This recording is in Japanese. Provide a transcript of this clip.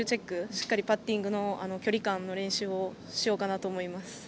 しっかりパッティングの距離感の練習をしようかなと思います。